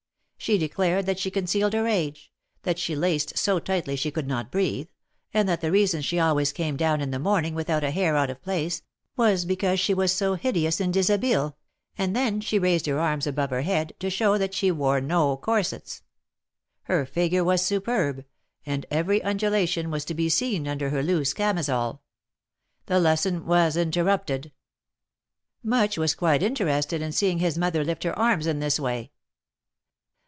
She declared that she concealed her age — that she laced so tightly she could not breathe, and that the reason she always came down in the morning without a hair out of place, was because she was so hideous in dishabille, and then she raised her arms above her head, to show that she wore no corsets ; her figure was superb, and every undulation was 160 THE MARKETS OF PARIS. to be seen under her loose camisole. The lesson was inter rupted. Much was quite interested in seeing his mother lift her arms in this way.